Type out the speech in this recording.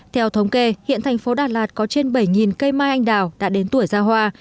theo thống kê hiện thành phố đà lạt có trên bảy cây mai anh đào đã đến tuổi ra hoa